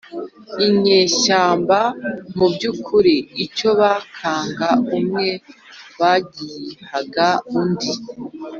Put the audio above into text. inyeshyamba. mu by'ukuri, icyo bakaga umwe bagihaga undi.